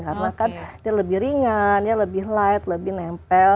karena kan dia lebih ringan dia lebih light lebih nempel